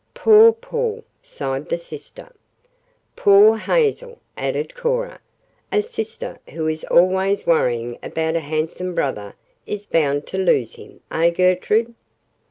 "Poor Paul!" sighed the sister. "Poor Hazel!" added Cora. "A sister who is always worrying about a handsome brother is bound to lose him, eh, Gertrude?"